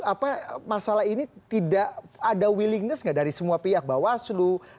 apa masalah ini tidak ada willingness nggak dari semua pihak bawaslu